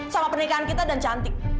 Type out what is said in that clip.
sama pernikahan kita dan cantik